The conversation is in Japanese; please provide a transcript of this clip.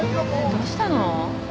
どうしたの？